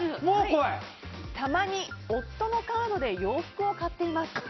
たまに、夫のカードで洋服を買っています。